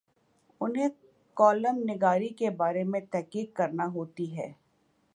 انہیں کالم نگاری کے بارے میں تحقیق کرنا ہوتی ہے۔